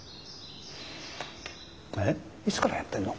えっいつからやってんの？